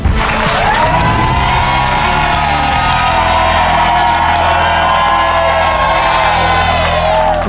ดี